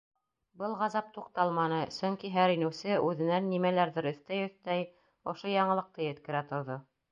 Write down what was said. Был ғазап туҡталманы, сөнки һәр инеүсе үҙенән нимәләрҙер өҫтәй-өҫтәй ошо яңылыҡты еткерә торҙо.